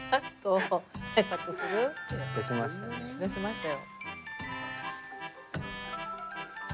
出しましたよ。